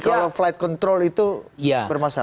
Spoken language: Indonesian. kalau flight control itu bermasalah